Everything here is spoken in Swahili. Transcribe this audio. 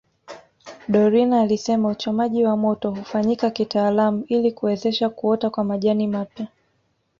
Dorina alisema uchomaji wa moto hufanyika kitaalamu ili kuwezesha kuota kwa majani mapya